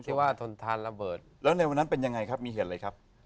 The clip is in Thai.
ที่ว่าทนทานระเบิดแล้วในวันนั้นเป็นยังไงครับมีเหตุอะไรครับ